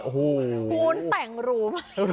คุณแต่งรูปะ